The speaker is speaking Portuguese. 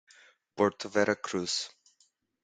Porto Vera Cruz